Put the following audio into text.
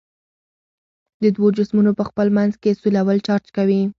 د دوو جسمونو په خپل منځ کې سولول چارج کوي.